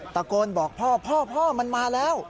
ตะโกนบอกพ่อพ่อมันมาแล้ว